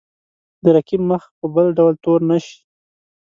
د رقیب مخ په بل ډول تور نه شي.